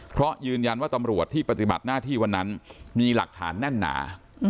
เพราะยืนยันว่าตำรวจที่ปฏิบัติหน้าที่วันนั้นมีหลักฐานแน่นหนา